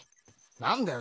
何だよ